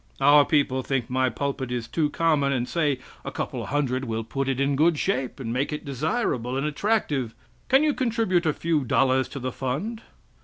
Our people think my pulpit is too common, and say a couple hundred will put it in good shape, and make it desirable and attractive. Can you contribute a few dollars to the fund?"